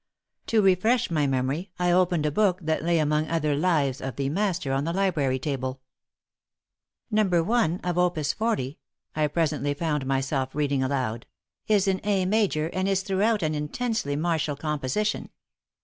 To refresh my memory, I opened a book that lay among other Lives of "the master" on the library table. "'No. 1 of Opus 40,'" I presently found myself reading aloud, "'is in A major, and is throughout an intensely martial composition.